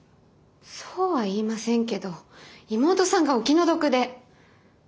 そうは言いませんけど妹さんがお気の毒で。